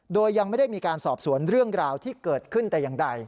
โดยยังไม่ได้มีการสอบสวนเรื่องราวที่เกิดขึ้นแต่อย่างใด